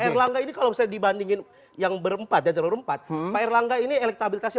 erlangga ini kalau saya dibandingin yang berempat dan rumput pak erlangga ini elektabilitasnya